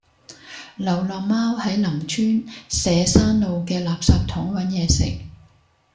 流浪貓喺林村社山路嘅垃圾桶搵野食